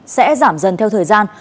sẽ giảm dần theo thời gian